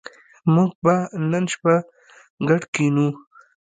موږ به نن شپه ګډ کېنو